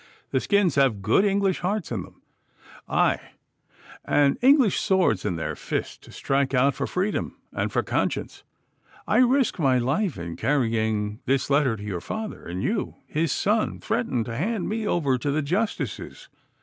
The skins have good English hearts in them; ay, and English swords in their fists to strike out for freedom and for conscience. I risk my life in carrying this letter to your father; and you, his son, threaten to hand me over to the justices!